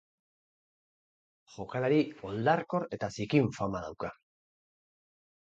Jokalari oldarkor eta zikin fama dauka.